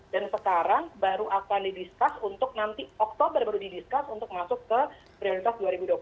dan sekarang baru akan didiskus untuk nanti oktober baru didiskus untuk masuk ke prioritas dua ribu dua puluh satu